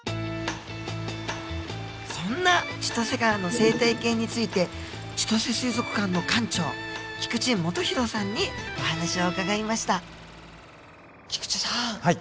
そんな千歳川の生態系について千歳水族館の館長菊池基弘さんにお話を伺いました菊池さん